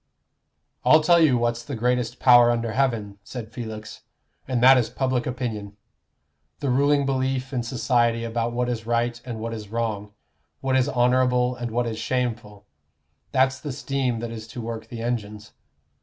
"I'll tell you what's the greatest power under heaven," said Felix, "and that is public opinion the ruling belief in society about what is right and what is wrong, what is honorable and what is shameful. That's the steam that is to work the engines.